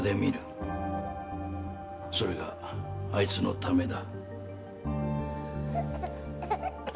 それがあいつのためだ。